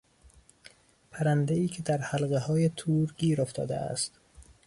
پرندهای که در حلقههای تور گیر افتاده است